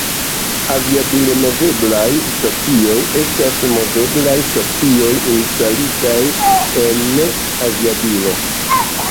Aviadile-moveblaj stacioj estas moveblaj stacioj instalitaj en aviadilo.